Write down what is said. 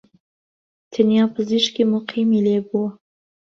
تەنیا پزیشکیی موقیمی لێبووە